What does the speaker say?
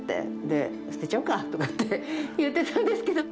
で捨てちゃおうかとかって言ってたんですけど。